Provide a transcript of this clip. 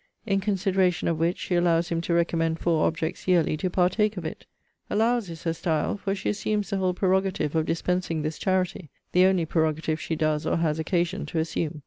In consideration of which she allows him to recommend four objects yearly to partake of it. Allows, is her style; for she assumes the whole prerogative of dispensing this charity; the only prerogative she does or has occasion to assume.